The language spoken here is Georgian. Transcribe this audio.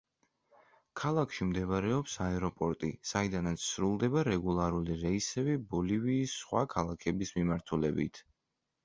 ქალაქში მდებარეობს აეროპორტი, საიდანაც სრულდება რეგულარული რეისები ბოლივიის სხვა ქალაქების მიმართულებით.